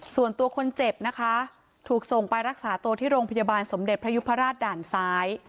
ส่วนตัวคนเจ็บนะคะถูกส่งไปรักษาตัวที่โรงพยาบาลสมเด็จพระยุพราชด่านซ้าย